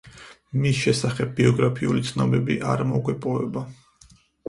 მის შესახებ ბიოგრაფიული ცნობები არ მოგვეპოვება.